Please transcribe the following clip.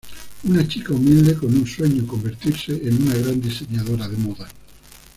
Una chica humilde con un sueño: convertirse en una gran diseñadora de moda.